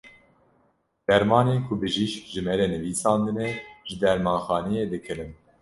Dermanên ku bijîşk ji me re nivîsandine, ji dermanxaneyê dikirin.